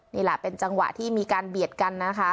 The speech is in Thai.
นี่แหละเป็นจังหวะที่มีการเบียดกันนะคะ